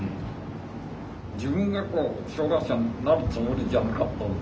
自分がこう障害者になるつもりじゃなかった。